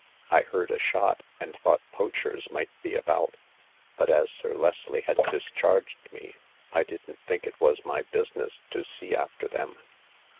I heard a shot, and thought poachers might be about, but as Sir Leslie had discharged me I didn*t think it was my business to see after them."